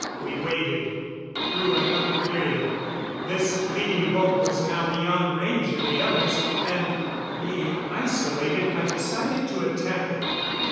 We waited through another period. This leading boat was now beyond range of the others, and, being isolated, I decided to attack it.